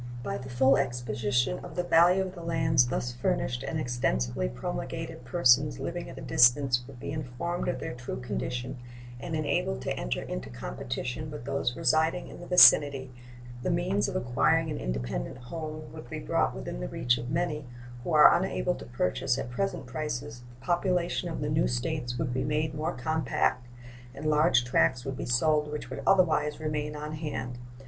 By the full exposition of the value of the lands thus furnished and extensively promulgated persons living at a distance would be informed of their true condition and enabled to enter into competition with those residing in the vicinity; the means of acquiring an independent home would be brought within the reach of many who are unable to purchase at present prices; the population of the new States would be made more compact, and large tracts would be sold which would otherwise remain on hand.